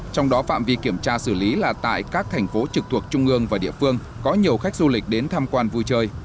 trong đó phạm vi kiểm tra xử lý là tại các thành phố trực thuộc trung ương và địa phương có nhiều khách du lịch đến tham quan vui chơi